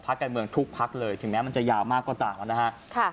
พักการเมืองทุกพักเลยถึงแม้มันจะยาวมากกว่าต่าง